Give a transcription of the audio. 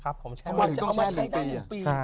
ครับผมแช่ไว้๑ปี